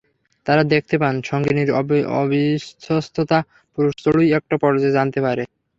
তাঁরা দেখতে পান, সঙ্গিনীর অবিশ্বস্ততা পুরুষ চড়ুই একটা পর্যায়ে জানতে পারে।